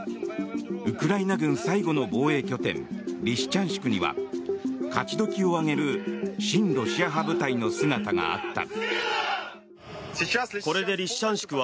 ウクライナ軍最後の防衛拠点リシチャンシクには勝どきを上げる親ロシア派部隊の姿があった。